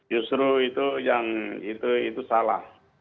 justru itu salah